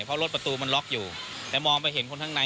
เพราะรถประตูมันล็อกอยู่แต่มองไปเห็นคนข้างใน